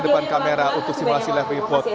depan kamera untuk simulasi live report